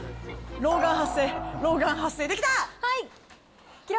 老眼発生、老眼発生、できた。